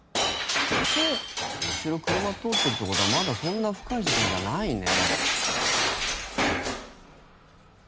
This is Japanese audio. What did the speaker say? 後ろ車通ってるって事はまだそんな深い時間じゃないね。